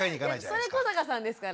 それ古坂さんですから。